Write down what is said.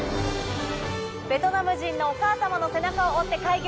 ベトナム人のお母様の背中を追って開業。